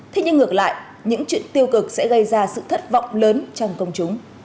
thế nhưng ngược lại những chuyện tiêu cực sẽ gây ra sự thất vọng lớn trong công chúng